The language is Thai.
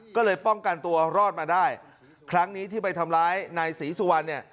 ก็เลยป้องกันตัวรอดมาได้ครั้งนี้ที่ไปทำร้ายนายศรีสุวรรณเนี่ย